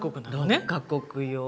６カ国よ。